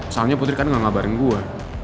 soalnya putri kan gak ngabarin gue